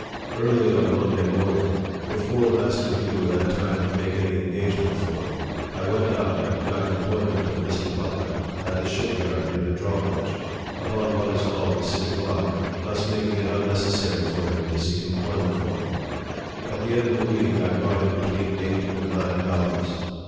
Early on Monday morning, before Master 106 NARRATIVE OF THE Hugh had time to make any engagement for me, I went out and got employment of Mr. Butler, at his ship yard near the drawbridge, upon what is called the City Block, thus making it unnecessary for him to seek employment for me. At the end of the week, I brought him between eight and nine dollars.